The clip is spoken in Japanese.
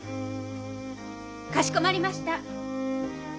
かしこまりました。